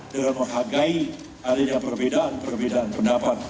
dalam menghagai adanya perbedaan perbedaan pendapat